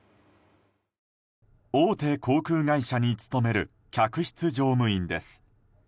大手航空会社に勤める客室乗務員です。